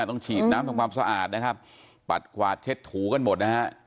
ต้องฉีดน้ำทำความสะอาดนะครับปัดกวาดเช็ดถูกันหมดนะฮะ